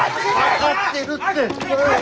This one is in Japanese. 分かってるって！